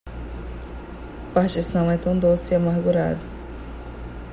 Partição é tão doce e armagurado